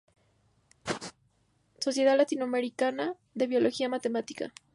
Sociedad Latinoamericana de Biología Matemática